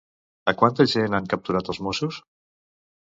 A quanta gent han capturat els Mossos?